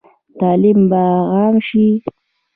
تعلیم به عام شي؟